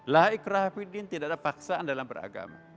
la ikhrah fi din tidak ada paksaan dalam beragama